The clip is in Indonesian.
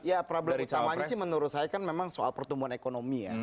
ya problem utamanya sih menurut saya kan memang soal pertumbuhan ekonomi ya